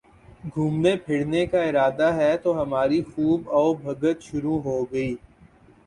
گھومنے پھرنے کا ارادہ ہے تو ہماری خوب آؤ بھگت شروع ہو گئی